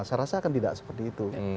saya rasa akan tidak seperti itu